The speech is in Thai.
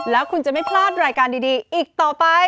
แล้วคุณจะไม่พลาดรายการดีอีกต่อไป